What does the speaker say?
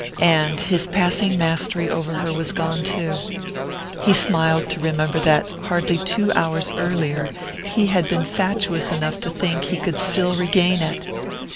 And his passing mastery over her was gone too he smiled to remember that, hardly two hours earlier, he had been fatuous enough to think he could still regain it!